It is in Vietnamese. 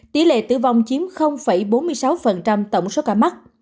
tỷ lệ tử vong chiếm bốn mươi sáu tổng số ca mắc